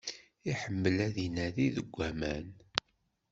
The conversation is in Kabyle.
Iḥemmel ad inadi deg aman.